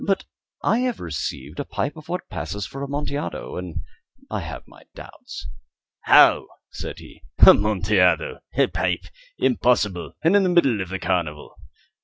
But I have received a pipe of what passes for Amontillado, and I have my doubts." "How?" said he. "Amontillado? A pipe? Impossible! And in the middle of the carnival!"